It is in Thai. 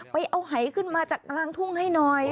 ไปเอาหายขึ้นมาจากกลางทุ่งให้หน่อย